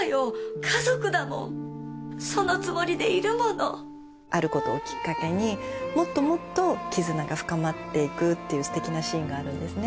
家族だもんそのつもりでいるものあることをきっかけにもっともっと絆が深まっていくっていうステキなシーンがあるんですね